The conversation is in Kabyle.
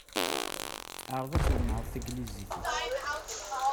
Ɛṛeḍ ad twennɛeḍ tagnizit-inek.